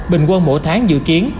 bình quân mỗi tháng dự kiến